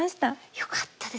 よかったです。